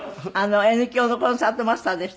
Ｎ響のコンサートマスターでしたから。